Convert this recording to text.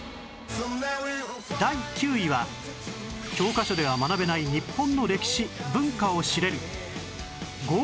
第９位は教科書では学べない日本の歴史文化を知れる